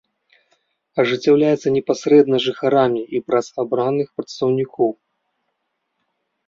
Ажыццяўляецца непасрэдна жыхарамі і праз абраных прадстаўнікоў.